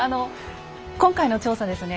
今回の調査ですね